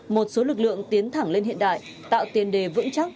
một số lực lượng tiến thẳng lên hiện đại tạo tiền đề vững chắc